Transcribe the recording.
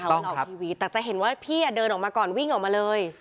ออกทีวีแต่จะเห็นว่าพี่เดินออกมาก่อนวิ่งออกมาเลย